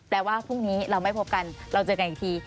ว่าพรุ่งนี้เราไม่พบกันเราเจอกันอีกที